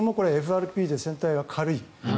ＦＲＰで先端が軽い。